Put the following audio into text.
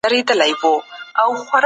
ملتونو به رسمي غونډي سمبالولې.